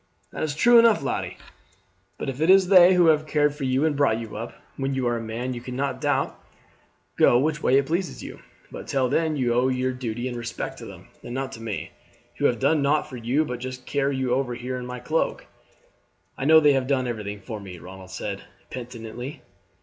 "That's true enough, laddie; but it is they who have cared for you and brought you up. When you are a man you can no doubt go which way it pleases you; but till then you owe your duty and respect to them, and not to me, who have done nought for you but just carry you over here in my cloak." "I know they have done everything for me," Ronald said penitently.